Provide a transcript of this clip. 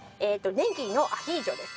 ねぎのアヒージョです。